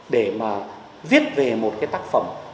để mà viết về một cái tác phẩm